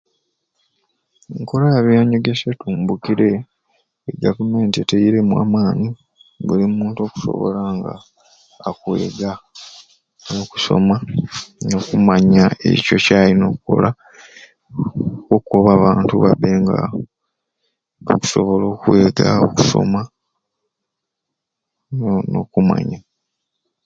Enkola y'abyanyegesya etumbukire e government eteiremu amaani buli muntu akusobola nga akwega nokusoma nokumanya ekyo kyayina okola okoba abantu babe nga bakusobola okwega okusoma no nokumanya